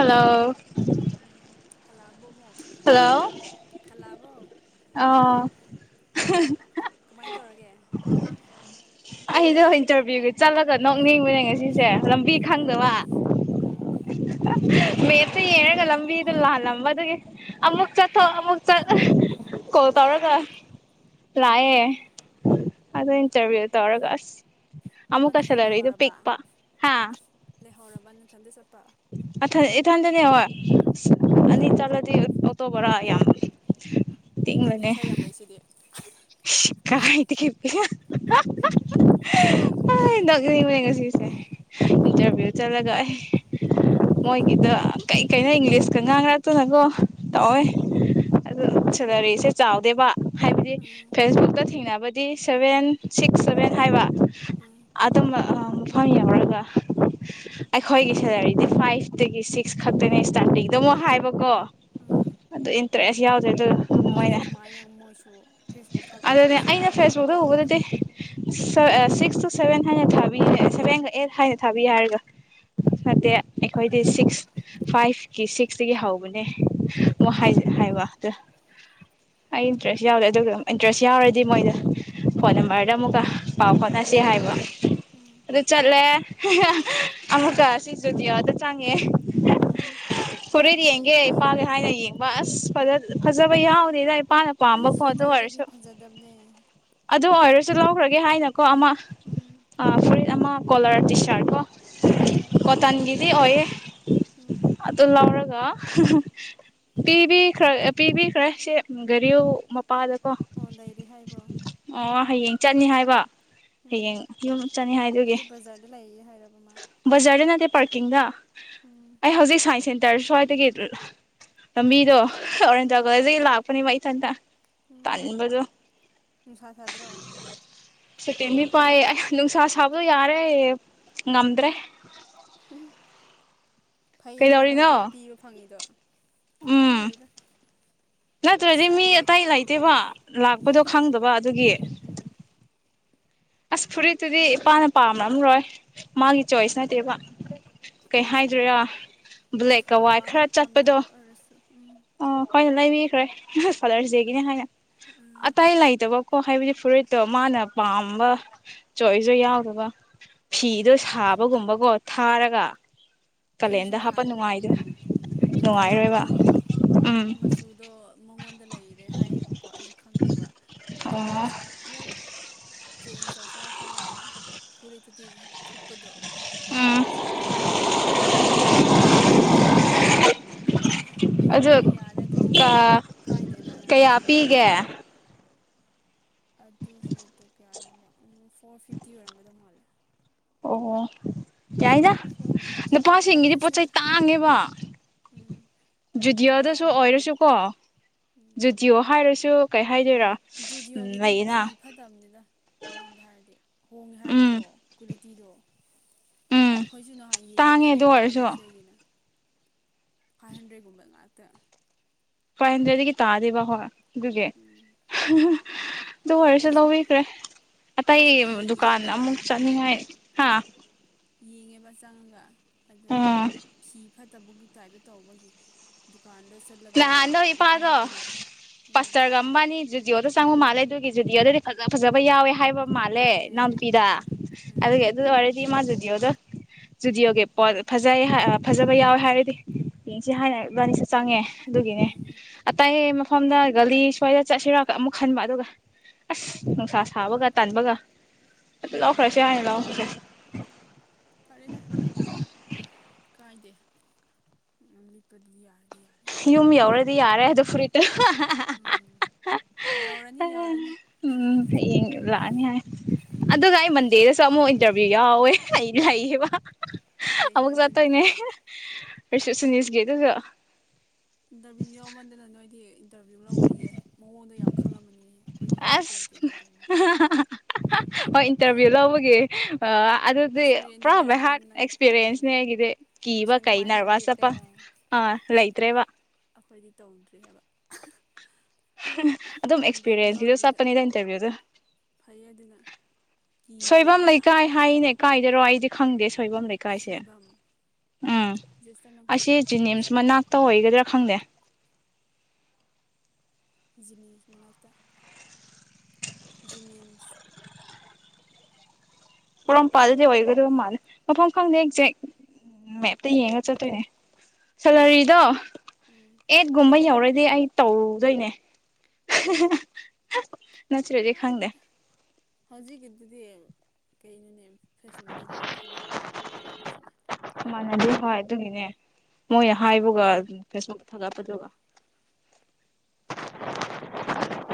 ꯇꯥꯕ꯭ꯔꯣ ꯎꯝ ꯈ ꯃꯣ ꯍꯜꯂꯣ ꯍꯂꯑꯕꯣ ꯑꯣ ꯀꯃꯥꯏꯅ ꯇꯧꯔꯒꯦ ꯑꯩꯗ ꯏꯟꯇꯔꯚꯤꯌꯨꯒꯤ ꯆꯠꯂꯒ ꯅꯣꯛꯅꯤꯡꯕꯅꯦ ꯉꯁꯤꯁꯦ ꯂꯝꯕꯤ ꯀꯩꯗꯧꯔꯕ ꯈꯪꯗꯃ ꯑꯥ ꯃꯦꯞꯇ ꯌꯦꯡꯉꯒ ꯂꯝꯕꯤꯗꯣ ꯂꯥꯜꯂꯝꯕꯗꯒꯤ ꯑꯃꯨꯛ ꯆꯠꯊꯣꯛ ꯑꯃꯨꯛ ꯆꯠ ꯀꯣꯜ ꯇꯧꯔꯒ ꯂꯥꯛꯑꯦ ꯎꯝ ꯑꯗ ꯏꯟꯇꯔꯚ ꯇꯧꯔꯒ ꯑꯁ ꯑꯃꯨꯛꯀ ꯑꯃꯗꯨꯗꯤ ꯁꯦꯂꯔꯤꯗꯣ ꯂꯩꯍꯧꯔꯕ ꯄꯤꯛꯄ ꯂꯩꯍꯧꯔꯕ ꯅꯊꯟꯗ ꯆꯠꯄ ꯑꯊ ꯏꯊꯟꯗꯅꯦ ꯋꯥ ꯑꯣ ꯑꯅꯤ ꯆꯠꯂꯗꯤ ꯇꯣꯕꯔꯥ ꯌꯥꯝ ꯅꯪꯒꯤ ꯇꯤꯡꯕꯅꯦ ꯏꯁꯥ ꯌꯥꯝ ꯂꯩꯁꯤꯗꯤ ꯀꯥꯏꯗꯒꯤ ꯄꯤꯁꯥ ꯍ ꯅꯣꯛ ꯏꯅꯤꯡꯕꯅꯦ ꯉꯁꯤꯁꯦ ꯏꯟꯇꯔꯚꯤꯌꯨ ꯆꯠꯂꯒ ꯑꯩ ꯃꯣꯏꯒꯤꯗ ꯀꯩꯀꯩꯅꯣ ꯏꯪꯂꯤꯁꯀ ꯉꯥꯡꯅꯛꯇꯅꯀꯣ ꯇꯧꯏ ꯎꯝ ꯑꯗꯨ ꯁꯦꯂꯔꯤꯁꯦ ꯆꯥꯎꯗꯦꯕ ꯍꯥꯏꯕꯗꯤ ꯎꯝ ꯐꯦꯁꯕꯨꯛꯇ ꯊꯦꯡꯅꯕ ꯗꯤ ꯁꯚꯦꯟ ꯁꯤꯛꯁ ꯁꯚꯦꯟ ꯍꯥꯏꯕ ꯎꯝ ꯑꯗꯨꯝꯕ ꯑ ꯃꯐꯝ ꯌꯥꯎꯔꯒ ꯑꯩꯈꯣꯏꯒꯤ ꯁꯦꯂꯔꯤꯗꯤ ꯐꯥꯏꯚꯇꯒꯤ ꯁꯤꯛꯁ ꯈꯛꯇꯅꯤ ꯏꯁꯇꯥꯔꯇꯤꯡꯗ ꯑꯃꯨꯛ ꯍꯥꯏꯕꯀꯣ ꯑꯗꯨ ꯏꯟꯇꯔꯦꯁ ꯌꯥꯎꯗ꯭ꯔꯦ ꯑꯗꯨ ꯑꯖꯤꯗꯤ ꯃꯣꯏꯅ ꯀꯃꯥꯏ ꯃꯣꯏꯁꯨ ꯐꯦꯁꯕꯨꯛ ꯊꯥꯒꯠꯄꯗ ꯑꯗꯨꯅꯦ ꯑꯩꯅ ꯁꯦꯂꯔꯤ ꯐꯦꯁꯕꯨꯛꯇ ꯍꯥꯞꯄꯅꯣꯕ ꯎꯕꯗꯗꯤ ꯁꯤꯛꯁ ꯇꯨ ꯁꯚꯦꯟ ꯍꯥꯏꯅ ꯊꯥꯕꯤ ꯁꯚꯦꯟꯒ ꯑꯩꯠ ꯍꯥꯏꯅ ꯊꯥꯕꯤ ꯍꯥꯏꯔꯒ ꯐꯠꯇꯦ ꯑꯩꯈꯣꯏꯗꯤ ꯁꯤꯛꯁ ꯐꯥꯏꯚꯀꯤ ꯁꯤꯛꯁꯇꯒꯤ ꯍꯧꯕꯅꯦ ꯑꯣ ꯍꯥꯏ ꯎꯝ ꯍꯥꯏꯕ ꯑꯗꯨ ꯏꯟꯇ꯭ꯔꯦꯁ ꯌꯥꯎꯗꯦ ꯑꯗꯨꯒ ꯏꯟꯇꯔꯦꯁ ꯌꯥꯎꯔꯗꯤ ꯃꯣꯏꯗ ꯐꯣꯟ ꯅꯝꯕꯔꯗ ꯑꯃꯨꯛꯀ ꯄꯥꯎ ꯈꯣꯠꯅꯁꯤ ꯍꯥꯏꯕ ꯎꯝ ꯑꯗꯨꯗ ꯆꯠꯂꯦ ꯑꯃꯨꯛꯀ ꯁꯤꯁꯨ ꯗꯤꯌꯥꯗ ꯆꯪꯉꯦ ꯎꯝ ꯐꯣꯔꯦꯠ ꯄꯩꯁꯥ ꯌꯦꯡꯒꯦ ꯌꯥꯝ ꯂꯩꯅ ꯏꯄꯥꯒꯦ ꯍꯥꯏꯅ ꯌꯦꯡꯕ ꯑꯁ ꯐꯖ ꯍꯁꯕꯌ ꯌꯥꯎꯗꯦꯗ ꯄꯥꯂ ꯄꯥꯝꯕ ꯑꯁ ꯖꯣꯗꯤꯑꯣꯗꯗꯤ ꯐꯣꯠꯇꯔꯁ ꯐꯖꯗꯕꯅꯦ ꯑꯗꯨ ꯑꯣꯏꯔꯁꯨ ꯂꯧꯈ꯭ꯔꯒꯦ ꯍꯥꯏꯅ ꯀꯣ ꯑꯥꯡ ꯎꯝ ꯐ ꯑꯃ ꯀꯂꯔ ꯇꯤꯁꯔꯠ ꯀꯣ ꯎꯝ ꯄꯇꯥꯟꯒꯤ ꯁꯤ ꯑꯣꯏꯌꯦ ꯎꯝ ꯑ ꯂꯔꯒ ꯄꯕꯤꯈ꯭ꯔ ꯄꯤꯕꯤꯈ꯭ꯔꯦ ꯁꯤ ꯒꯥꯔꯤꯨ ꯑꯣ ꯂꯩꯔꯤ ꯍꯥꯏꯕ꯭ꯔꯣ ꯑꯣ ꯍꯌꯦꯡ ꯆꯠꯅꯤ ꯍꯥꯏꯕ ꯍꯌꯦꯡ ꯎꯝ ꯌꯨꯝ ꯆꯅꯤ ꯍꯥꯏꯗꯨꯒꯤ ꯑꯗꯨ ꯕꯖꯥꯔꯗ ꯂꯩꯌꯦ ꯍꯥꯏꯔꯕ ꯃꯥ ꯕꯖꯥꯔꯗꯅꯗꯤ ꯄꯥꯔꯀꯤꯟꯗ ꯎꯝ ꯑꯩ ꯍꯧꯖꯤꯛ ꯁꯥꯏꯟꯁ ꯇꯥꯔ ꯁ꯭ꯋꯥꯏꯗꯒꯤ ꯂꯝꯕꯤꯗꯣ ꯑꯣꯔꯦꯟꯖ ꯎꯝ ꯀꯣꯂꯖꯗꯒꯤ ꯂꯥꯛꯄꯅꯤ ꯃꯥ ꯇꯟꯗ ꯎꯝ ꯊꯗ꯭ꯔꯣ ꯁꯇꯦꯝꯕꯤ ꯄꯥꯏ ꯑ ꯅꯨꯡꯁꯥ ꯁꯥꯕꯗꯣ ꯌꯥꯔꯦ ꯉꯝꯗ꯭ꯔꯦ ꯎꯝ ꯐꯩꯅꯦ ꯅꯪ ꯀꯩꯗꯧꯔꯤꯅꯣ ꯄꯤꯕ ꯐꯪꯉꯤꯗꯣ ꯐꯝ ꯎꯝ ꯂꯩꯗ ꯅꯠꯇ꯭ꯔꯗꯤ ꯃꯤ ꯉꯁꯥꯏꯗꯒꯤ ꯑꯇꯩ ꯂꯩꯇꯦꯕ ꯂꯥꯛꯄꯗꯣ ꯈꯪꯗꯕ ꯑꯗꯨꯒꯤ ꯎꯝ ꯑꯁ ꯐꯨꯔꯤꯠꯇꯨꯗꯤ ꯏꯄꯥꯅ ꯄꯥꯝꯅꯝꯔꯣꯏ ꯃꯥꯒꯤ ꯆꯣꯏꯁ ꯅꯠꯇꯦꯕ ꯀꯩ ꯍꯥꯏꯗꯣꯏꯔꯥ ꯕ꯭ꯂꯦꯛꯀ ꯋꯥꯏꯠ ꯄꯥꯝꯕ ꯈꯔ ꯆꯠꯄꯗꯣ ꯄꯥꯝꯗꯕ ꯑꯣꯏꯔꯁꯨ ꯎꯝ ꯑꯣ ꯑꯩꯈꯣꯏꯅ ꯂꯩꯕꯤꯈꯔꯦ ꯐꯥꯗꯔꯁ ꯗꯦꯒꯤ ꯍꯥꯏꯅ ꯑꯇꯩ ꯂꯩꯇꯕ ꯀꯣ ꯍꯥꯏꯕꯗꯤ ꯐꯨꯔꯤꯠꯇꯣ ꯃꯥꯅ ꯄꯥꯝꯕ ꯆꯣꯏꯁꯁꯨ ꯌꯥꯎꯗꯕ ꯐꯤꯗꯣ ꯎꯝ ꯁꯥꯕꯒꯨꯝꯕꯀꯣ ꯊꯥꯔꯒ ꯑꯩꯁꯨ ꯀꯥꯂꯦꯟꯗ ꯍꯥꯞꯄ ꯅꯍꯥꯟ ꯅꯨꯡꯉꯥꯏꯗ ꯅꯍꯥꯟ ꯅꯨꯡꯉꯥꯏꯔꯣꯏꯕ ꯂꯧꯕꯗꯣ ꯎꯝ ꯃꯆꯨꯗꯣ ꯃꯉꯣꯟꯗ ꯂꯩꯔꯦ ꯍꯥꯏꯌꯦꯕꯀꯣ ꯑꯩꯁꯨꯦ ꯈꯪꯗꯦꯕ ꯑꯗꯣ ꯑꯃꯨꯛ ꯆꯦꯟꯖ ꯇꯧꯁꯦꯔꯥ ꯈꯜꯂꯒ ꯐꯨꯔꯤꯠꯇꯨꯗꯤꯤ ꯊꯨꯞꯄꯗꯣ ꯎꯝ ꯐꯖꯗꯦ ꯍꯥꯏꯅꯅꯦ ꯃꯣꯏ ꯂꯧꯗꯕ ꯋꯥꯅꯤꯗ ꯑꯗꯨ ꯍꯣꯏ ꯌꯥꯔꯦ ꯑꯗꯨꯗꯤ ꯀꯥꯏꯗꯦꯗꯅ ꯀꯌꯥ ꯑꯗꯨꯝ ꯄꯤꯒꯦ ꯂꯧꯔꯦ ꯑꯗꯨ ꯐꯨꯔꯤꯠꯇꯣ ꯀꯌꯥꯅꯣꯃꯣ ꯐꯣꯔ ꯐꯤꯐꯇꯤ ꯑꯣꯏꯔꯝꯒꯗꯧ ꯃꯥꯜꯂꯦ ꯑꯣ ꯌꯥꯏꯗ ꯐꯣꯔ ꯐꯤꯐꯇꯤ ꯅꯨꯄꯥꯁꯤꯡꯒꯤꯗꯤ ꯄꯣꯠꯆ ꯀꯃꯦꯁꯅꯤꯗ ꯆꯩ ꯇꯥꯡꯉꯦꯕ ꯎꯝ ꯑꯗꯨ ꯈꯣꯡꯒ꯭ꯔꯥꯎ ꯖꯨꯗꯤꯌꯣꯗꯁꯨ ꯑꯃꯒ ꯑꯣꯏꯔꯁꯨꯀꯣ ꯖꯨꯗꯤꯌꯣ ꯍꯥꯏꯔꯁꯨ ꯀꯩ ꯍꯥꯏꯗꯣꯏꯔꯥ ꯎꯝ ꯖꯨꯗꯤꯑꯣꯣꯒꯤꯗꯤ ꯐꯤ ꯂꯩꯌꯦꯅ ꯐꯠꯇꯕꯅꯤꯗ ꯑꯃꯔꯣꯝꯗ ꯍꯥꯏꯔꯗꯤ ꯍꯣꯡꯉꯦ ꯎꯝ ꯍꯥꯏꯔꯁꯨꯀꯣ ꯀꯨ ꯄꯤꯗꯣ ꯎꯝ ꯑꯩꯈꯣꯏꯁꯨ ꯅꯍꯥꯟ ꯇꯥꯡꯉꯦ ꯑꯗꯨ ꯌꯦꯡꯉꯤꯅꯤꯅꯦꯅꯦ ꯑꯣꯏꯔꯁꯨ ꯐꯥꯗꯔꯁ ꯗꯦꯒꯤꯅ ꯐꯥꯏꯚ ꯍꯟꯗ꯭ꯔꯦꯠ ꯀꯨꯝꯕꯜ ꯉꯇ ꯐꯥꯏ ꯍꯟꯗ꯭ꯔꯦꯗꯒꯤ ꯇꯥꯗꯦꯕ ꯍ ꯑꯗꯨꯗꯤ ꯎꯝ ꯑꯗꯨ ꯑꯣꯏꯔꯁꯨ ꯑꯩꯈꯣꯏꯁꯨ ꯂꯧꯕꯤꯈ꯭ꯔꯦ ꯑꯇꯩ ꯑꯩꯈꯣꯏꯁꯨ ꯌꯦꯡꯉꯦ ꯗꯨꯀꯥꯟ ꯑꯗꯨꯗ ꯑꯃꯨꯛ ꯆꯠꯅꯤꯡꯉꯥꯏ ꯍꯥꯥ ꯌꯦꯡꯉꯦꯕ ꯆꯪꯉꯒ ꯑꯗꯨ ꯎꯝ ꯐꯤ ꯐꯠꯇꯕꯒꯤ ꯇꯥꯏꯞꯇ ꯇꯧꯕꯒꯤ ꯗꯨꯀꯥꯟꯗ ꯆꯠꯂꯒ ꯅꯍꯥꯟ ꯅꯣ ꯏ ꯑꯃꯨꯛ ꯄꯥꯗꯣ ꯂꯧꯔꯤꯕ ꯎꯝ ꯄꯁꯇꯔꯒꯝꯕꯥꯅꯤꯨꯖꯤꯑꯣꯗ ꯆꯉꯨ ꯃꯥ ꯑꯗꯨꯒꯤ ꯖꯨꯗꯤꯑꯣꯗꯨꯗꯤ ꯐ ꯐꯖꯕ ꯌꯥꯎꯋꯦ ꯍꯥꯏꯕ ꯃꯥꯂꯦ ꯑꯦ ꯅꯝꯕꯤꯤꯗ ꯑ ꯑ ꯑꯗꯨ ꯑꯗꯨ ꯋꯥꯔꯤꯔꯗꯤ ꯃꯥꯗꯤ ꯗꯤꯑꯣꯗꯣ ꯏꯁꯇꯨꯗꯤꯑꯣꯒꯤ ꯄꯣꯠ ꯐꯖꯩ ꯐꯖꯕ ꯌꯥꯎꯋꯦ ꯍꯥꯏꯔꯗꯤ ꯌꯦꯡ ꯁꯤ ꯍꯥꯏꯅ ꯂꯅꯤꯁꯨ ꯆꯪꯉꯦ ꯑꯗꯨꯒꯤꯅꯦ ꯎꯝ ꯑꯇꯩ ꯑꯣ ꯃꯐꯝꯗ ꯒꯥꯂꯤ ꯁ꯭ꯋꯥꯏꯗ ꯆꯠꯁꯤꯔꯒ ꯑꯃꯨꯛ ꯈꯟꯕ ꯑꯗꯨꯒ ꯑꯁ ꯅꯨꯡꯁꯥ ꯁꯥꯕꯒ ꯇꯟꯥꯟꯕꯒ ꯎꯝ ꯂꯧꯈꯔꯁꯤ ꯍꯥꯏ ꯂꯧꯈꯔꯦ [inaudible] ꯐꯔꯦꯗ ꯀꯥꯏꯗꯦ ꯂꯤꯠꯄꯗꯨꯗꯤ ꯌꯥꯔꯗꯤ ꯌꯥꯔ ꯌꯝ ꯌꯎꯗꯤ ꯌꯥꯔꯦ ꯑꯗꯨꯣ ꯐ ꯄꯨꯔꯤꯇ ꯎꯝ ꯌꯥꯎꯔꯅꯤ ꯌꯥꯎꯔꯅꯤ ꯎꯝ ꯍꯌꯦꯡ ꯂꯥꯛꯑꯅꯤ ꯍꯥꯏ ꯑꯗꯨꯒ ꯑꯩ ꯃꯟꯗꯦꯗꯁꯨ ꯑꯃꯨꯛ ꯏꯟꯇꯔꯚꯤꯌꯨ ꯌꯥꯎꯋꯦ ꯑꯩ ꯂꯩꯌꯦꯕ ꯀꯩ ꯑꯃꯨꯛ ꯏꯟꯇꯔꯚꯤꯌꯨꯅꯣ ꯆꯠꯇꯅꯦ ꯑꯗꯨꯅ ꯁꯅꯤꯁꯒꯦꯗꯨꯒ ꯏꯟꯇꯔꯚꯤꯌꯨ ꯌꯥꯎꯃꯟꯗꯅ ꯅꯣꯏꯗꯤ ꯏꯟꯇꯔꯚꯤꯌꯨ ꯂꯧꯕꯒꯤ ꯃꯑꯣꯡꯗꯣ ꯌꯥꯝ ꯈꯪꯂꯝꯕꯅꯤꯅꯦ ꯑꯩꯈꯣꯏꯗꯤ ꯄꯥꯛ ꯑꯁ ꯂꯧꯗꯦꯗ ꯑꯗꯨꯕꯇ ꯆꯠꯇꯦ ꯑ ꯑꯗꯨꯗꯤ ꯑꯦꯛꯁꯄꯤꯔꯤꯌꯦꯟꯗꯤ ꯄꯨꯔꯥ ꯕꯥꯏꯍꯥꯛ ꯂꯩꯔꯝꯃꯅꯤꯅ ꯅꯪ ꯎꯝ ꯑꯦꯛꯁꯄꯤꯔꯤꯌꯦꯟꯁꯅꯦ ꯑꯩꯒꯤꯗꯤ ꯀꯤꯕ ꯀꯣꯏꯁꯟ ꯀꯩ ꯀꯃꯥꯏꯅ ꯍꯪꯒꯦ ꯅꯔꯚꯁ ꯀꯩ ꯆꯠꯄ ꯑꯥ ꯑꯥ ꯂꯩꯇ꯭ꯔꯦꯕ ꯑꯩꯈꯣꯏꯗꯤ ꯇꯧꯗ꯭ꯔꯤ ꯍꯥꯏꯕ [unintelligible] ꯑꯗꯨꯝ ꯏꯟꯇꯔꯚꯤꯌꯨ ꯑꯦꯛꯁꯄꯤꯔꯤꯌꯦꯟꯁꯀꯤꯗ ꯌꯥꯎꯗꯕꯤꯗ ꯆꯠꯄꯅꯤꯗ ꯏꯟꯇꯔꯚꯤꯌꯨꯗ ꯐꯩꯌꯦ ꯑꯗꯨꯅ ꯁꯣꯏꯕꯝ ꯀꯤꯗ꯭ꯔꯦꯗꯅ ꯂꯩꯀꯥꯏ ꯍꯥꯏꯅꯦ ꯀꯥꯏꯗꯔꯣ ꯑꯩꯗꯤ ꯈꯪꯗꯦ ꯁꯣꯏꯕꯝ ꯂꯩꯀꯥꯏꯁꯦ ꯁꯣꯏꯕꯝ ꯎꯝ ꯖꯦꯁꯇꯔ ꯅꯪ ꯑꯁꯤ ꯈꯪꯕ꯭ꯔꯣ ꯖꯤꯅꯤꯝꯁ ꯁꯣꯏꯕꯝ ꯃꯅꯥꯛꯇ ꯑꯣꯏꯒꯗ꯭ꯔꯥ ꯈꯪꯗꯦ ꯅꯤ ꯃꯅꯥꯇ [unintelligible] ꯃꯤꯝꯁ [unintelligible] ꯄꯣꯔꯣꯝꯄꯥꯜꯗꯗꯤ ꯑꯣꯏꯒꯗꯕ ꯃꯥꯜꯂꯦ ꯃꯐꯝ ꯈꯪꯗꯦ ꯍꯁꯦ ꯃꯦꯞꯇ ꯌꯦꯡꯉ ꯆꯠꯇꯣꯏꯅꯦ ꯎꯝ ꯁꯦꯂꯔꯤꯗꯣ ꯎꯝ ꯑꯦꯠꯒꯨꯝꯕ ꯌꯧꯔꯦ ꯑꯗꯨꯗꯤ ꯑꯩ ꯇꯧꯔꯨꯗꯣꯏꯅꯦ ꯅꯠꯇ꯭ꯔꯗꯤ ꯀꯥꯏ ꯈꯪꯗꯦ ꯂꯤꯗ ꯍꯧꯖꯤꯛꯤꯗꯤ ꯀꯩꯩꯅꯅꯦ ꯐꯦꯁꯕꯨꯛꯇꯒ ꯊꯥꯒꯠꯄꯒ ꯃꯥꯟꯅꯗꯣꯏꯁꯤꯅ ꯃꯥꯟꯅꯗꯦ ꯍꯣꯏ ꯑꯗꯨꯒꯤꯅꯦ ꯃꯣꯏ ꯍꯥꯏꯕꯒ ꯐꯦꯁꯕꯨꯛꯇ ꯊꯥꯒꯠꯄꯗꯨꯒ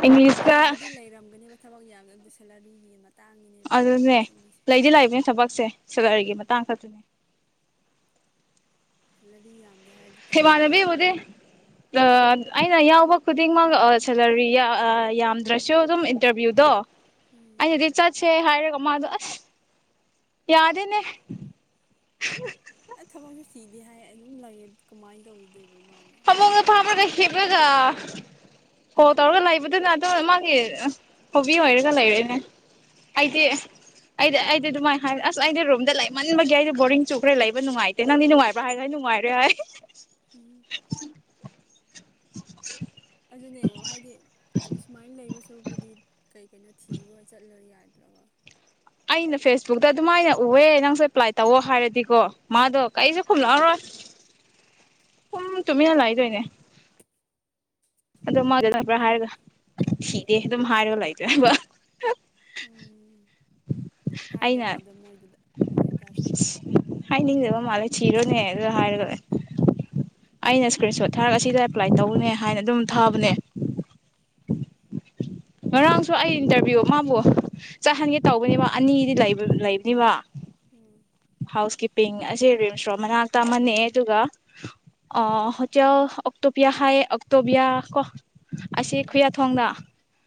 ꯏꯪꯂꯤꯁꯀ ꯂꯩꯕꯨꯗꯤ ꯂꯩꯔꯝꯒꯅꯦꯕ ꯊꯕꯛ ꯌꯥꯒ [unintelligible] ꯑꯗꯨꯅꯦ ꯂꯩꯗꯤ ꯂꯥꯛꯏꯕꯅꯦ ꯊꯕꯛꯁꯦ ꯁꯦꯂꯔꯤꯒꯤ ꯎꯝ ꯃꯇꯥꯡ ꯈꯛꯇꯅꯦ ꯍꯜꯂꯔꯤ ꯌꯥꯝ ꯊꯦꯃꯅꯕꯤꯕꯦ ꯑꯩꯅ ꯌꯥꯎꯕ ꯈꯨꯗꯤꯡꯃꯛ ꯁꯦꯂꯔꯤ ꯌꯥꯝꯗ꯭ꯔꯁꯨ ꯑꯗꯨꯝ ꯏꯟꯇꯔꯚ꯭ꯌꯨꯗꯣ ꯎꯝ [unintelligible] ꯁꯦ ꯍꯥꯏꯔꯒ ꯃꯥꯗꯣ ꯑꯁ ꯌꯥꯗꯦꯅꯦ ꯁꯤꯗꯤ ꯍꯥꯏ ꯑꯗꯨꯝ ꯂꯩꯑꯦ ꯀꯃꯥꯏꯅ ꯇꯧꯗꯣꯏꯕ ꯃꯥ ꯍꯥꯃꯨꯡꯗ ꯐꯥꯕꯒ ꯍꯤꯞꯂꯒ ꯀꯣ ꯇꯧꯔꯒ ꯂꯩꯕꯗꯨꯅ ꯑꯗꯨꯝ ꯃꯥꯒꯤ ꯍꯣꯕꯤ ꯑꯣꯏꯔꯒ ꯂꯩꯔꯦꯅꯦ ꯑꯩꯗꯤ ꯑꯩꯗꯤ ꯑꯩꯗꯤ ꯑꯗꯨꯃꯥꯏꯅ ꯍꯥꯏ ꯑꯁ ꯑꯩꯗꯤ ꯔꯨꯝꯗ ꯂꯩꯃꯟꯕꯒꯤ ꯑꯩꯗꯤ ꯕꯣꯔꯤꯡ ꯆꯨꯈ꯭ꯔꯦ ꯂꯩꯕ ꯅꯨꯡꯉꯥꯏꯇꯦ ꯅꯪꯗꯤ ꯅꯨꯡꯉꯥꯏꯕ꯭ꯔꯥ ꯍꯥꯏꯒ ꯅꯨꯡꯉꯥꯏꯔꯦ ꯍꯥꯏ ꯎꯝ [inaudible] ꯑꯗꯨꯅꯦ ꯍꯥꯏꯗꯤ ꯁꯨꯃꯥꯏꯅ ꯂꯩꯕꯁꯨ ꯁꯔꯨꯛꯄꯨꯗꯤ ꯀꯩ ꯀꯩꯅꯣ ꯊꯤꯔ ꯆꯠꯂ ꯌꯥꯗ꯭ꯔꯕ ꯑꯩꯅ ꯐꯦꯁꯕꯨꯛꯇ ꯑꯗꯨꯃꯥꯏꯅ ꯎꯑꯦ ꯅꯪꯁꯨ ꯑꯦꯄ꯭ꯂꯥꯏ ꯇꯧꯑꯣ ꯍꯥꯏꯔꯗꯤꯀꯣ ꯃꯥꯗꯣ ꯀꯩꯁꯨ ꯈꯨꯝꯂꯛꯑꯔꯣꯏ ꯁꯨꯝ ꯇꯨꯃꯤꯟꯅꯂꯛꯏꯗꯣꯏꯅꯦ ꯑꯗꯨ ꯃꯥ ꯆꯕ꯭ꯔꯥ ꯍꯥꯏꯔꯒ ꯁꯤꯗꯦ ꯑꯗꯨꯝ ꯍꯥꯏꯔꯒ ꯂꯩꯇ꯭ꯔꯕ ꯎꯝ ꯑꯩꯅ ꯍꯥꯏꯗꯕ꯭ꯔꯥ ꯑꯗꯣ ꯃꯣꯏꯗꯨꯗ ꯃꯣꯏꯗꯁꯨ ꯍꯥꯏꯅꯤꯡꯗꯕ ꯃꯥꯜꯂꯦ ꯊꯤꯔꯣꯅꯦ ꯑꯗꯨꯗ ꯍꯥꯏꯔꯒ ꯑꯩꯅ ꯏꯁꯀ꯭ꯔꯤꯟ ꯁꯣꯠ ꯊꯥꯔꯒ ꯁꯤꯗ ꯑꯦꯄ꯭ꯂꯥꯏ ꯇꯧꯅꯦ ꯍꯥꯏꯅ ꯑꯗꯨꯝ ꯊꯥꯕꯅꯦ ꯉꯔꯥꯡꯁꯨ ꯑꯩ ꯏꯟꯇꯔꯚꯤꯌꯨ ꯃꯥꯕꯨ ꯆꯠꯍꯟꯒꯦ ꯇꯧꯕꯅꯦꯕ ꯑꯅꯤꯗꯤ ꯂꯩꯕꯅꯤꯕ ꯎꯝ ꯄꯤꯡ ꯑꯁꯤꯦ ꯔꯤꯝꯁ ꯔꯣ ꯃꯅꯥꯛꯇ ꯃꯟꯅꯦ ꯑꯗꯨꯒ ꯍꯣꯇꯦꯜ ꯑꯣꯛꯇꯣꯄꯤꯌꯥ ꯍꯥꯏꯌꯦ ꯑꯣꯛꯇꯣꯕꯤꯌꯥ ꯀꯣ ꯑꯁꯤ ꯎꯝ ꯈꯨꯌꯥꯊꯣꯡꯗ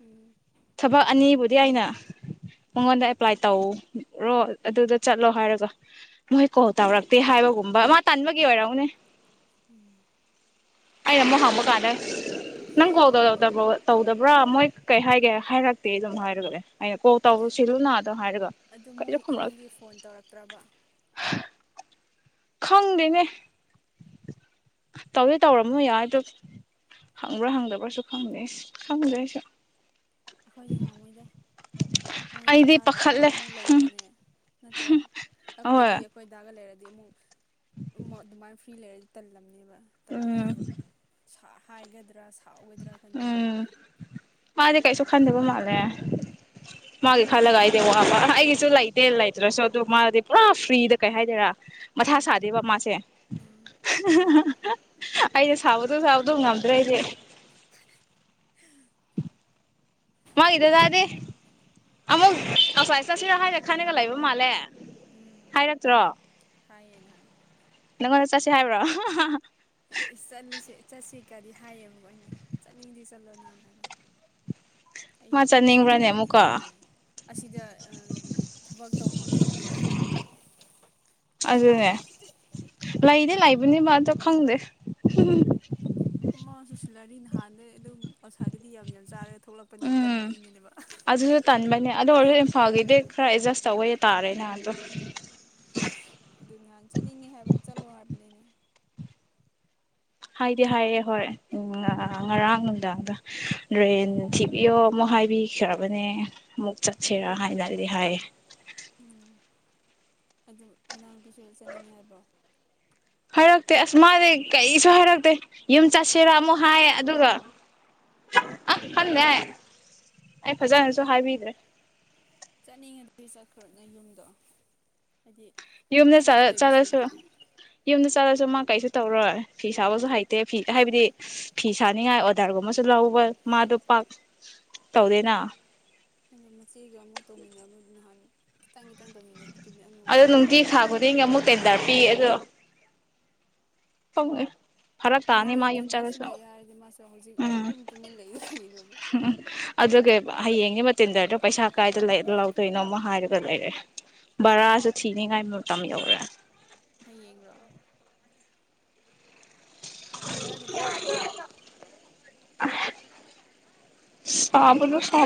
ꯎꯝ ꯊꯕꯛ ꯑꯅꯤꯕꯨꯗꯤ ꯑꯩꯅ ꯃꯉꯣꯟꯗ ꯑꯦꯄ꯭ꯂꯥꯏ ꯇꯧꯔꯣ ꯑꯗꯨꯗ ꯆꯠꯂꯣ ꯍꯥꯏꯔꯒ ꯃꯣꯏ ꯀꯣꯜ ꯇꯧꯔꯛꯇꯦ ꯍꯥꯏꯕꯒꯨꯝꯕ ꯃꯥ ꯇꯟꯕꯒꯤ ꯑꯣꯏꯔꯎꯅꯦ ꯎꯝ ꯑꯩꯅ ꯑꯃꯨꯛ ꯍꯥꯡꯕ ꯀꯥꯟꯗꯩ ꯅꯪ ꯀꯥꯎꯗ ꯇꯧꯗꯕ꯭ꯔꯥ ꯃꯣꯏ ꯀꯩ ꯍꯥꯏꯒꯦ ꯍꯥꯏꯔꯛꯇꯦ ꯑꯗꯨꯝ ꯍꯥꯏꯔꯒꯅꯦ ꯑꯩꯅ ꯀꯣꯜ ꯇꯧꯔꯨ ꯑꯗꯨ ꯁꯤꯂꯨ ꯅꯥꯗ ꯍꯥꯏꯔꯒ ꯑꯗꯨ ꯀꯁꯨ ꯃꯣꯏ ꯈꯨꯝꯂꯒꯦ ꯏꯃꯨꯡꯗꯤ ꯐꯣꯟ ꯇꯧꯔꯛꯇ꯭ꯔꯕ ꯈꯪꯗꯦꯅꯦ ꯇꯧꯗꯦ ꯇꯧꯔꯝꯃꯣꯏ ꯌꯥꯏꯗꯣ ꯍꯪꯕ꯭ꯔꯥ ꯍꯪꯗꯕ꯭ꯔꯥꯁꯨ ꯈꯪꯗꯦ ꯈꯪꯗꯣꯏꯁꯨ ꯑꯩꯈꯣꯏꯗꯤ ꯉꯝꯃꯣꯏꯗ ꯃꯣꯏꯗ ꯑꯩꯗꯤ ꯂꯥꯛꯑꯒ ꯄꯥꯈꯠꯂꯦ ꯑꯃꯨꯛ ꯂꯩꯕꯅꯦ ꯅꯠꯇ꯭ꯔꯣ ꯍꯣꯏ ꯑꯩꯈꯣꯏꯗꯤ ꯑꯩꯈꯣꯏꯗ ꯂꯩꯔꯗꯤ ꯑꯃꯨꯛ ꯑꯗꯨꯃꯥꯏꯅ ꯐ꯭ꯔꯤ ꯂꯩꯔꯗꯤ ꯇꯜꯂꯝꯅꯦꯕ ꯎꯝ ꯇꯂꯀꯅꯤꯕ ꯍꯥꯏꯒꯗ꯭ꯔꯥ ꯁꯥꯎꯒꯗ꯭ꯔꯥ ꯈꯟꯕꯩꯀꯣ ꯎꯝ ꯃꯥꯗꯤꯦ ꯀꯩꯁꯨ ꯈꯟꯗꯕ ꯃꯥꯜꯂꯦ ꯃꯥꯒꯤ ꯈꯜꯂꯒ ꯑꯩꯗꯤ ꯋꯥꯕ ꯑꯩꯒꯤꯁꯨ ꯂꯩꯇꯦ ꯂꯩꯇ꯭ꯔꯁꯨ ꯑꯗꯨ ꯃꯥꯗꯤ ꯄꯨꯔꯥ ꯐ꯭ꯔꯤꯗ ꯀꯩ ꯍꯥꯏꯗꯦꯔꯥ ꯃꯊꯥ ꯁꯥꯗꯦꯕ ꯃꯥꯁꯦ ꯎꯝ ꯑꯩꯅ ꯁꯥꯕꯗꯣ ꯁꯥꯕꯗꯣ ꯉꯝꯗ꯭ꯔꯦꯗꯤ ꯎꯝ ꯃꯥꯒꯤꯗꯗꯥꯗꯤ ꯑꯃꯨꯛ ꯉꯁꯥꯏ ꯆꯠꯁꯤꯔꯣ ꯍꯥꯏꯅ ꯈꯟꯅꯒ ꯂꯩꯕ ꯃꯥꯜꯂꯦ ꯎꯝ ꯍꯥꯏꯔꯛꯇ꯭ꯔꯣ ꯍꯥꯏꯦꯅ ꯅꯪꯉꯣꯟꯗ ꯆꯠꯁꯤ ꯍꯥꯏꯕ꯭ꯔꯣ ꯆꯠꯁꯤ ꯆꯠꯁꯤ ꯀꯩꯀꯥꯗꯤ ꯍꯥꯏꯌꯦꯕꯀ ꯑꯩꯅ ꯆꯠꯅꯤꯡꯗꯤ ꯆꯠꯂꯣ ꯅꯪ ꯍꯥꯏꯕ ꯑꯩ ꯃꯥ ꯄꯥꯔꯃꯤꯁꯟꯗꯤ ꯆꯠꯅꯤꯡꯕ꯭ꯔꯥꯅꯦ ꯑꯃꯨꯛꯀ ꯂꯧꯈꯤꯒꯦ ꯑꯁꯤꯗ ꯊꯕꯛ ꯇꯧ ꯐꯝ ꯈꯪꯗꯦꯌꯦ ꯃꯥꯅ ꯑꯗꯨꯅꯦ ꯂꯩꯗꯤ ꯂꯩꯕꯅꯦ ꯃꯥꯗꯣ ꯈꯪꯗꯦ ꯃꯥꯁꯨ ꯁꯤꯜꯂꯔꯤ ꯅꯍꯥꯟꯗꯩ ꯑꯗꯨꯝ ꯑꯁꯥꯗꯗꯤ ꯌꯥꯝ ꯌꯥꯝ ꯆꯥꯔꯒ ꯊꯣꯛꯂꯛꯄꯅꯤꯅ ꯎꯝ ꯇꯟꯕꯩꯅꯦꯕ ꯑꯗꯨꯗꯁꯨ ꯇꯥꯟ ꯃꯅꯤ ꯑꯗ ꯋꯥ ꯏ ꯐꯥꯎꯒꯗꯦ ꯈꯔ ꯑꯦꯗꯖꯁ ꯇꯧꯕꯇꯥꯥꯔꯦ ꯎꯝ ꯑꯗꯨ ꯅꯍꯥꯟ ꯆꯠꯅꯤꯡꯉꯦ ꯍꯥꯏꯕꯅꯤ ꯆꯠꯂꯣ ꯍꯥꯏꯕꯅꯤ ꯑꯩꯅ ꯍꯥꯏꯗꯤ ꯍꯥꯏꯌꯦꯦ ꯍꯣꯏ ꯉꯔꯥꯡ ꯅꯨꯡꯗꯥꯡꯗ ꯗ꯭ꯔꯦꯟ ꯊꯤꯕꯤꯌꯣ ꯑꯃꯨꯛ ꯍꯥꯏꯕꯤꯈ꯭ꯔꯕꯅꯦ ꯑꯃꯨꯛ ꯆꯠꯁꯤꯔꯥ ꯍꯥꯏꯅꯗꯤ ꯍꯥꯏꯌꯦ ꯎꯝ ꯑꯗꯨ ꯃꯅꯥꯎꯅꯨꯄꯤꯁꯨ ꯆꯠꯅꯤꯡꯉꯤ ꯍꯥꯏꯕ꯭ꯔꯣ ꯍꯥꯏꯔꯛꯇꯦ ꯑꯁ ꯃꯥꯗꯤꯩ ꯀꯩꯁꯨ ꯍꯥꯏꯔꯛꯇꯦ ꯌꯨꯝ ꯆꯠꯁꯤꯔꯥ ꯑꯃꯨꯛ ꯍꯥꯏꯌꯦ ꯑꯗꯨꯒ ꯑ ꯈꯪꯉꯦ ꯍꯥꯏ ꯑꯩ ꯐꯖꯅꯁꯨ ꯍꯥꯏꯕꯤꯗ꯭ꯔꯦ ꯆꯠꯅꯤꯡꯉ ꯑꯗꯨꯗꯤ ꯆꯠꯈ꯭ꯔꯣ ꯅ ꯌꯨꯝꯗꯣ ꯍꯥꯏꯗꯤ ꯌꯨꯨꯝ ꯆ ꯐ꯭ꯔꯤꯗ ꯂꯩꯕ ꯆꯥꯂꯁꯨ ꯁꯔꯨꯛꯇꯨꯗꯤ ꯌꯨꯨꯝ ꯆꯥꯂꯁꯨ ꯃꯥ ꯀꯩꯁꯨ ꯇꯧꯔꯣꯏ ꯐꯤ ꯁꯥꯕꯁꯨ ꯍꯩꯇꯦ ꯐꯤ ꯍꯥꯏꯕꯗꯤ ꯐꯤ ꯁꯥꯅꯤꯡꯉꯥꯏ ꯑꯣꯗꯔꯒꯨꯝꯕꯁꯨ ꯂꯧꯕ ꯃꯥꯗꯣ ꯄꯥꯛ ꯇꯧꯗꯦꯅ ꯑꯗꯣ ꯃꯆꯦꯒ ꯑꯃꯨꯛ ꯇꯧꯃꯤꯟꯅꯅꯕꯗꯤ ꯅꯍꯥꯟ ꯀꯈꯤꯇꯪꯒꯤ ꯑꯗꯣ ꯅꯨꯡꯇꯤ ꯊꯥ ꯈꯨꯗꯤꯡꯒꯤ ꯑꯃꯨꯛ ꯇꯦꯟꯗꯔ ꯄꯤ ꯑꯗꯣ ꯍꯦ ꯍꯧꯖꯤꯅꯦ ꯇꯦꯟꯗꯔꯁꯨ ꯂꯩ ꯍꯥꯏꯔꯗꯤ ꯃꯥꯁꯨ ꯍꯧꯖꯤꯛ ꯎꯝ ꯑꯗꯨꯝ ꯇꯨꯃꯤꯟ ꯂꯩꯌ ꯀꯔꯤꯅꯣꯕ ꯎꯝ ꯑꯗꯨꯒꯤ ꯍꯌꯦꯡꯒꯤ ꯃꯇꯤꯟꯗꯔꯗꯣ ꯄꯩꯁꯥ ꯀꯥꯏꯗ ꯂꯧꯥꯎꯗꯣꯏꯅꯣꯃ ꯍꯥꯏꯔꯒ ꯂꯩꯔꯦ ꯚꯔꯥꯁꯨ ꯊꯤꯅꯤꯉꯥꯏ ꯃꯇꯝ ꯌꯧꯔꯦ ꯍꯌꯦꯡꯔꯣꯑꯣ ꯊꯦꯟꯗꯔꯒꯤꯗꯣ ꯍꯌꯦꯡ ꯑꯣꯏꯔꯕ ꯁꯥꯕꯣ ꯁꯥꯣ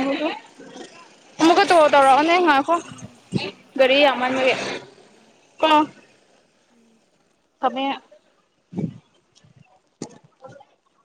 ꯑꯃꯨꯛꯀ ꯇꯣ ꯑꯁ ꯉꯁꯤꯗꯤ ꯇꯧꯔꯛꯑꯣꯅꯦ ꯉꯈꯣ ꯎꯝ ꯍꯣꯏ ꯍꯣꯏ ꯒꯥꯔꯤ ꯊꯝꯃꯒꯦ ꯌꯥꯝꯃꯟꯕꯒꯦ ꯎꯝ ꯀꯣ ꯎꯝ ꯃ